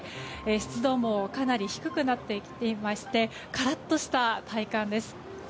湿度もかなり低くなってきていましてカラッとした体感です。